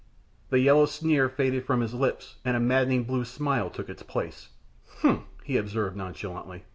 The yellow sneer faded from his lips, and a maddening blue smile took its place. "Humph!" he observed, nonchalantly.